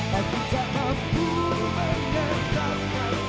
hati tak mampu mengetahkan